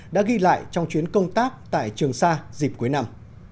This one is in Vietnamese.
đã ghi lại trong chuyến công tác tại trường sa dịp cuối năm